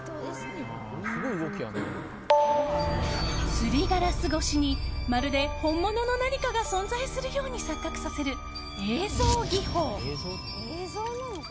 すりガラス越しにまるで本物の何かが存在するように錯覚させる映像技法。